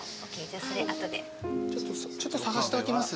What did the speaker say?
ちょっと探しておきます。